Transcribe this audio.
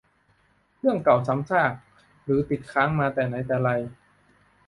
เรื่องเก่าซ้ำซาก หรือติดค้างมาแต่ไหนแต่ไร